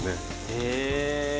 へえ。